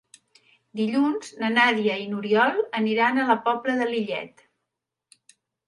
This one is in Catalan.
Dilluns na Nàdia i n'Oriol aniran a la Pobla de Lillet.